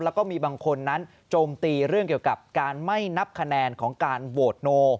แล้วก็มีบางคนนั้นจมตีเรื่องแบบการไม่นับคะแนนของการโวท์โน